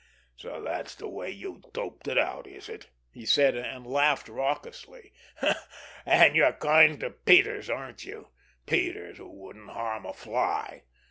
"So that's the way you doped it out, is it?" he said, and laughed raucously. "And you're kind to Peters, aren't you? Peters, who wouldn't harm a fly!